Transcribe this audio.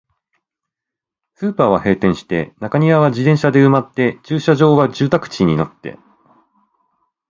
スーパーは閉店して、中庭は自転車で埋まって、駐車場は住宅地になって、